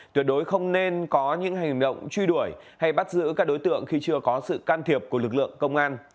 tuyệt đối không nên có những hành động truy đuổi hay bắt giữ các đối tượng khi chưa có sự can thiệp của lực lượng công an